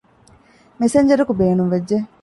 މެސެންޖަރަކު ބޭނުންވެއްޖެ